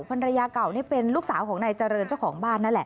ภรรยาเก่านี่เป็นลูกสาวของนายเจริญเจ้าของบ้านนั่นแหละ